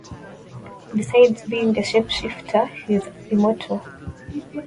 Besides being a shapeshifter, he is immortal.